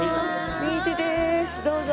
右手ですどうぞ。